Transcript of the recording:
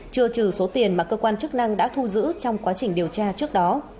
trừ trừ số tiền mà cơ quan chức năng đã thu giữ trong quá trình điều tra trước đó